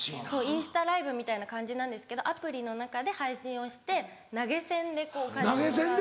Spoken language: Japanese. インスタライブみたいな感じなんですけどアプリの中で配信をして投げ銭でこうお金をもらう。